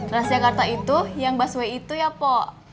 ras yakaarta itu yang busway itu ya po